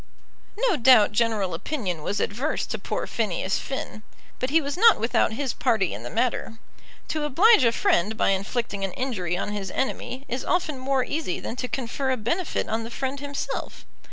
No doubt general opinion was adverse to poor Phineas Finn, but he was not without his party in the matter. To oblige a friend by inflicting an injury on his enemy is often more easy than to confer a benefit on the friend himself.